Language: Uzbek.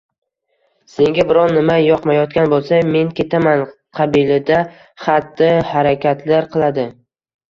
Senga biron nima yoqmayotgan bo‘lsa, men ketaman!” – qabilida xatti-harakatlar qiladi.